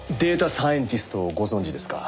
サイエンティストをご存じですか？